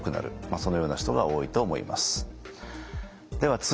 そのような人が多いと思います。